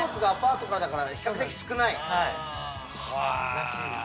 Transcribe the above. らしいです。